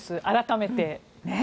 改めて。